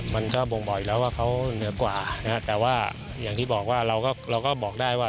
มันก็บ่งบอกอยู่แล้วว่าเขาเหนือกว่านะฮะแต่ว่าอย่างที่บอกว่าเราก็บอกได้ว่า